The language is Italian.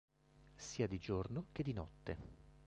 Sia di giorno che di notte.